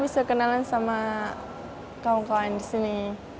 bisa kenalan sama kawan kawan di sini